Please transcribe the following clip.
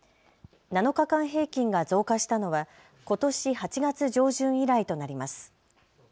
７日間平均が増加したのはことし８月上旬以来となります。